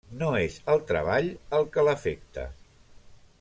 No és el treball el que l'afecta.